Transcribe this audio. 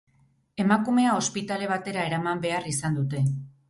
Emakumea ospitale batera eraman behar izan dute.